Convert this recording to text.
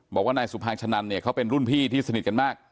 บอกว่านายสุภางชะนันเนี่ยเขาเป็นรุ่นพี่ที่สนิทกันมาก